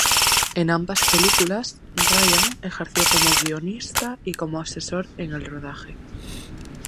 En ambas películas Ryan ejerció como guionista y como asesor en el rodaje.